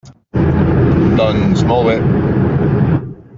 Doncs, molt bé.